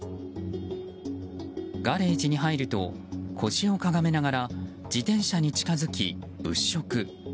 ガレージに入ると腰をかがめながら自転車に近づき物色。